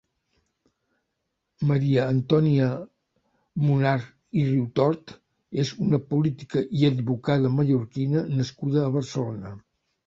Maria Antònia Munar i Riutort és una política i advocada mallorquina nascuda a Barcelona.